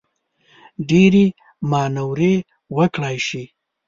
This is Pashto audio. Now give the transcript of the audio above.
ډېرې مانورې وکړای شي.